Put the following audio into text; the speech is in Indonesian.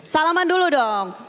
salaman dulu dong